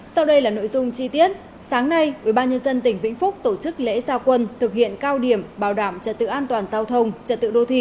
hãy đăng ký kênh để ủng hộ kênh của chúng mình nhé